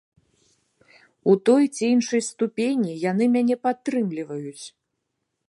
У той ці іншай ступені яны мяне падтрымліваюць.